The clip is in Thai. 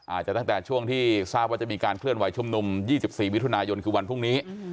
อาจจะตั้งแต่ช่วงที่ทราบว่าจะมีการเคลื่อนไหวชุมนุม๒๔มิถุนายนคือวันพรุ่งนี้